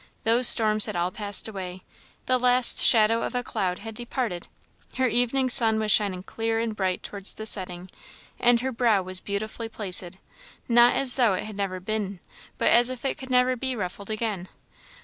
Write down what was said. Those storms had all passed away; the last shadow of a cloud had departed; her evening sun was shining clear and bright towards the setting; and her brow was beautifully placid, not as though it never had been, but as if it never could be ruffled again.